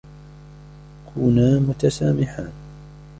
كونا متسامحان.